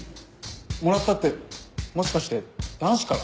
もらったってもしかして男子から？